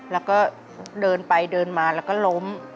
แล้วก็เดินไปเดินมาแล้วก็ล้ม